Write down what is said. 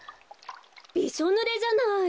びしょぬれじゃない！